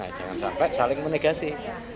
jangan sampai saling menegasi